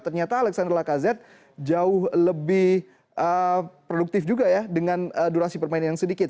ternyata alexander lacazette jauh lebih produktif juga ya dengan durasi permain yang sedikit